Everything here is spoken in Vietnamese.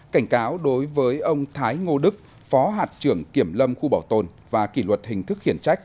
cảnh cáo đối với ông thái ngô đức phó hạt trưởng kiểm lâm khu bảo tồn và kỷ luật hình thức khiển trách